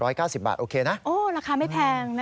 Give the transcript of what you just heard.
โอ้ราคาไม่แพงนะคะ